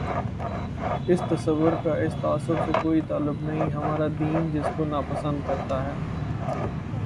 اس تصور کا اس تعصب سے کوئی تعلق نہیں، ہمارا دین جس کو ناپسند کر تا ہے۔